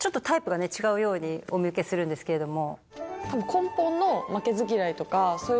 ようにお見受けするんですけれども。